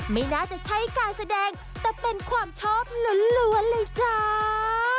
ไม่น่าจะใช่การแสดงแต่เป็นความชอบล้วนเลยจ้า